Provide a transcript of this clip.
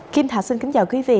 kim thảo xin kính chào quý vị